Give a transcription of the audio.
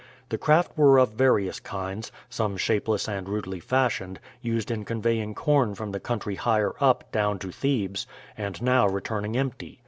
The craft were of various kinds, some shapeless and rudely fashioned, used in conveying corn from the country higher up down to Thebes, and now returning empty.